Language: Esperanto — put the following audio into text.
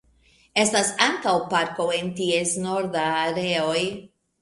Estas ankaŭ parko en ties norda areoj.